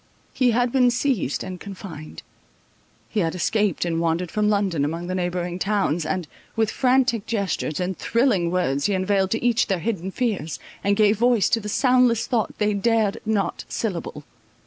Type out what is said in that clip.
He had been seized and confined; he had escaped and wandered from London among the neighbouring towns, and, with frantic gestures and thrilling words, he unveiled to each their hidden fears, and gave voice to the soundless thought they dared not syllable.